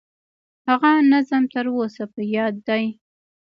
هغه نظم تر اوسه په یاد دي.